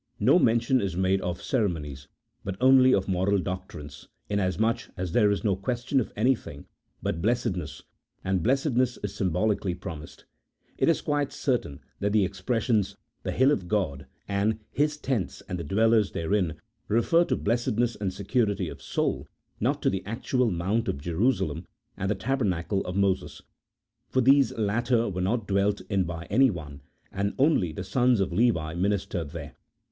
no mention is made of ceremo nies, but only of moral doctrines, inasmuch as there is no question of anything but blessedness, and blessedness is symbolically promised : it is quite certain that the expres sions, " the hill of God," and " His tents and the dwellers therein," refer to blessedness and security of soul, not to the actual mount of Jerusalem and the tabernacle of Moses, for these latter were not dwelt in by anyone, and only the sons of Levi ministered there.